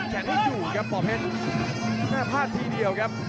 เกือบถึงชีวิตเลยครับ